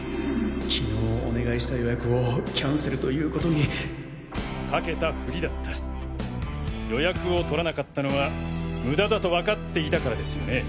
昨日お願いした予約をキャンセルといかけたフリだった予約を取らなかったのはムダだと分かっていたからですよね？